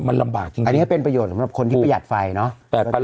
อันนี้เป็นประโยชน์สำหรับคนที่ประหยัดไฟเนาะ